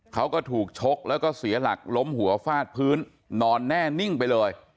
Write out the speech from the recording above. เขาก็ถูกชกแล้วก็เสียหลักล้มหัวฟาดพื้นนอนแน่นิ่งไปเลย